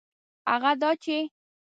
هغه دا چي